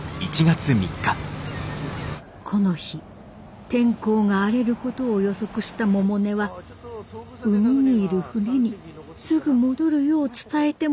この日天候が荒れることを予測した百音は海にいる船にすぐ戻るよう伝えてもらおうとしたのですが。